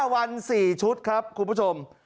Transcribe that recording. ๕วัน๔ชุดครับคุณผู้ชม